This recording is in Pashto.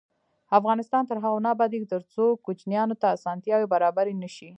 افغانستان تر هغو نه ابادیږي، ترڅو کوچیانو ته اسانتیاوې برابرې نشي.